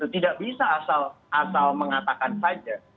tidak bisa asal mengatakan saja